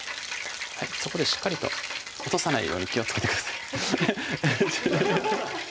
そこでしっかりと落とさないように気をつけてください